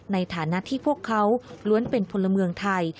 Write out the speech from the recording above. ในฐานะที่พวกเขาล้วนเป็นพลเมืองไทย